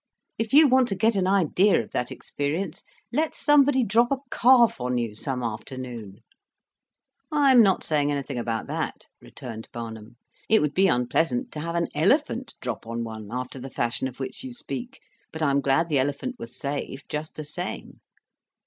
If you want to get an idea of that experience let somebody drop a calf on you some afternoon." "I am not saying anything about that," returned Barnum. "It would be unpleasant to have an elephant drop on one after the fashion of which you speak, but I am glad the elephant was saved just the same.